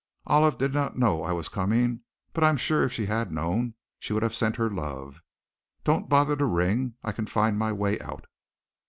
"Olive did not know I was coming, but I'm sure if she had known she would have sent her love. Don't bother to ring. I can find my way out."